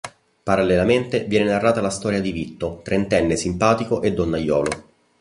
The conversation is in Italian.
Parallelamente viene narrata la storia di Vitto, trentenne simpatico e donnaiolo.